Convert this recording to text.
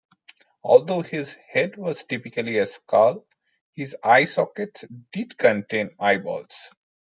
Although his head was typically a skull, his eye sockets did contain eyeballs.